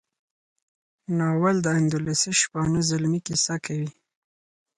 ناول د اندلسي شپانه زلمي کیسه کوي.